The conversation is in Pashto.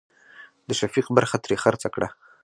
د شفيق برخه ترې خرڅه کړه.